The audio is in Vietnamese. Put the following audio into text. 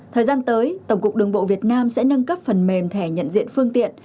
thời gian tới tổng cục đường bộ việt nam sẽ nâng cấp phần mềm thẻ nhận diện phương tiện